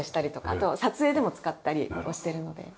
あと撮影でも使ったりしてるので。